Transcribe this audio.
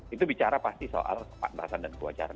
itu bicara pasti soal kepantasan dan kewajaran